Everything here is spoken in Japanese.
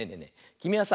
きみはさ